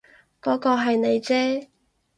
嗰個係你啫